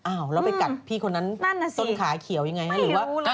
อ้าวแล้วไปกัดพี่คนนั้นต้นขาเขียวยังไงนะแม่งั้นสิไม่รู้เลยค่ะ